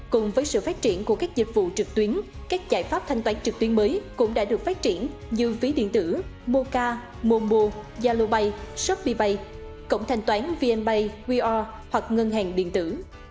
cùng với sự phát triển của các dịch vụ trực tuyến các giải pháp thanh toán trực tuyến mới cũng đã được phát triển như phí điện tử moca momo yalobay shopeebay cộng thanh toán vnpay weor hoặc ngân hàng điện tử